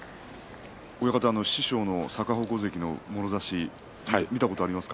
親方、師匠の逆鉾関のもろ差し見たことありますか？